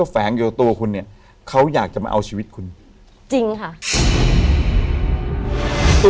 ฟังข้อมูลสูงหมายว่าเกตี่สุด